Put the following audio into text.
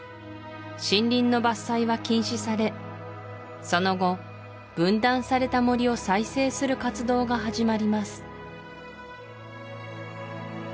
森林の伐採は禁止されその後分断された森を再生する活動が始まります